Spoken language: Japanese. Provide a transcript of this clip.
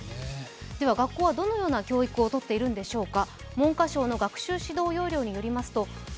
学校はどのような教育をとっているのでしょうか。